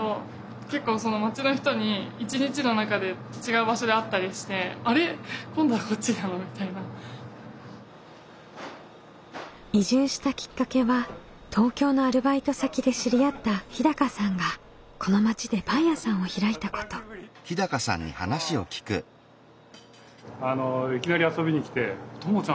結構町の人に一日の中で違う場所で会ったりして「あれ？今度はこっちなの？」みたいな。移住したきっかけは東京のアルバイト先で知り合った日さんがこの町でパン屋さんを開いたこと。いきなり遊びに来て「ともちゃんじゃん」っていう。